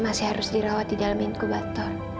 masih harus dirawat di dalam inkubator